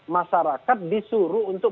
masyarakat disuruh untuk